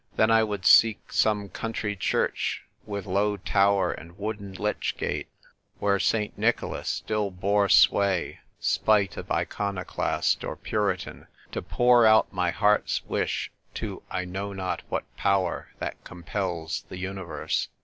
Then I would seek some country church, with low tower and wooden lych gate, where St. Nicholas still bore sway, spite of iconoclast or Puritan, to pour out my heart's wish to I know not what Power that compels the universe.